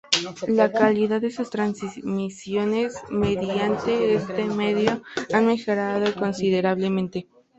La calidad de sus transmisiones mediante este medio han mejorado considerablemente.